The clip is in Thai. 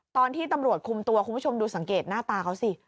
ตอนที่ตำรวจคุมตัวคุณผู้ชมดูสังเกตหน้าตาเขาสิ